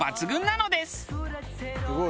すごい。